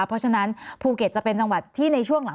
เพราะฉะนั้นภูเก็ตจะเป็นจังหวัดที่ในช่วงหลัง